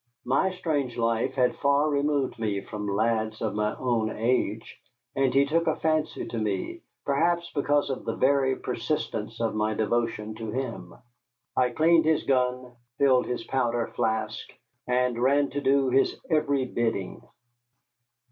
My strange life had far removed me from lads of my own age, and he took a fancy to me, perhaps because of the very persistence of my devotion to him. I cleaned his gun, filled his powder flask, and ran to do his every bidding.